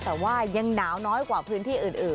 แต่ว่ายังหนาวน้อยกว่าพื้นที่อื่น